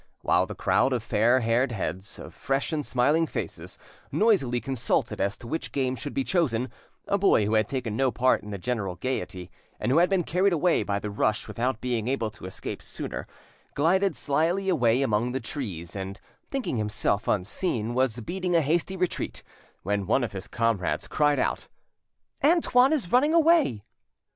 While the crowd of fair haired heads, of fresh and smiling faces, noisily consulted as to which game should be chosen, a boy who had taken no part in the general gaiety, and who had been carried away by the rush without being able to escape sooner, glided slyly away among the trees, and, thinking himself unseen, was beating a hasty retreat, when one of his comrades cried out— "Antoine is running away!"